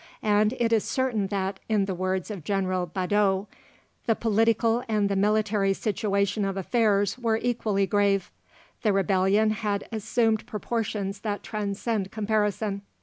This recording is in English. And it is certain that, in the words of General Badeau, "the political and the military situation of affairs were equally grave. The rebellion had assumed proportions that transcend comparison.